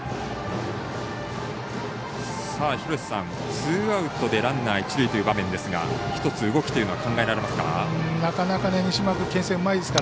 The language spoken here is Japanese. ツーアウトでランナー、一塁という場面ですが一つ、動きというのは考えられますか？